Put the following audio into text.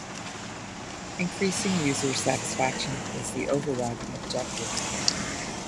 Increasing user satisfaction is the overriding objective.